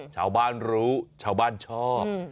ชาวบ้านรู้ชาวบ้านชอบ